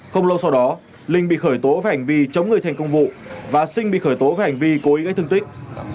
không lâu sau đó linh bị khởi tố về hành vi chống người thành công vụ và sinh bị khởi tố về hành vi cố ý gây thương tích